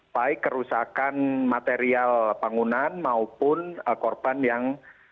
baik kerusakan material bangunan maupun korban yang